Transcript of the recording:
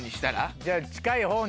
じゃあ。